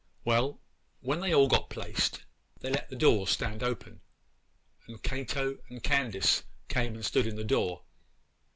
Well, when they got all placed, they let the doors stand open, and Cato and Candace came and stood in the door.